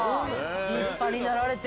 立派になられて。